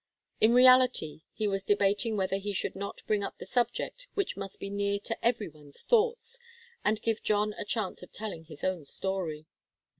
In reality he was debating whether he should not bring up the subject which must be near to every one's thoughts, and give John a chance of telling his own story.